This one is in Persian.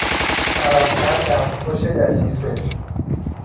سراسر دستخوش دسیسه